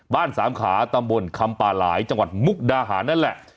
สามขาตำบลคำป่าหลายจังหวัดมุกดาหารนั่นแหละ